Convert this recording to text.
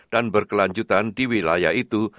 dan berkelanjutan di wilayah itu